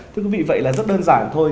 thưa quý vị vậy là rất đơn giản thôi